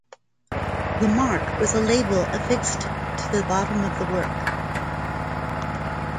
The mark was a label affixed to the bottom of the work.